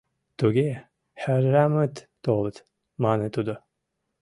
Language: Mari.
— Туге, хӓррамыт толыт, — мане тудо.